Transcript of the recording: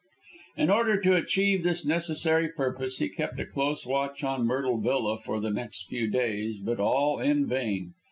In order to achieve this necessary purpose he kept a close watch on Myrtle Villa for the next few days, but all in vain.